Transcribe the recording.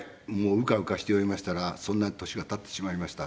うかうかしておりましたらそんなに年が経ってしまいました。